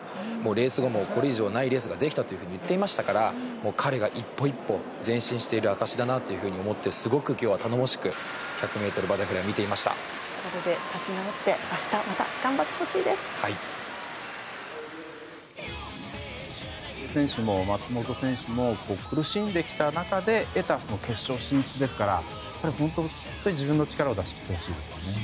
レース後もこれ以上ないレースができたというふうに言っていましたから彼が一歩一歩前進している証しだとすごく今日は頼もしく１００ｍバタフライを立ち直って明日、また渡辺選手も松元選手も苦しんできた中で得た決勝進出ですから自分の力出してほしいですね。